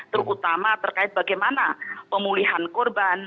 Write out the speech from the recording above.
terutama terkait bagaimana pemulihan korban